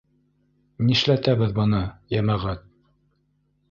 Нишләтәбеҙ быны, йәмәғәт?